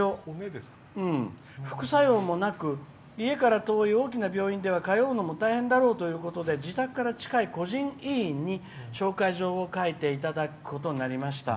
副作用もなく家から遠い大きな病院では通うの大変だろうということで自宅から近い個人医院に紹介状を書いていただくことになりました。